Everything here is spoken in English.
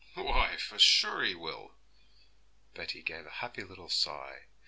'Why, for sure He will.' Betty gave a happy little sigh.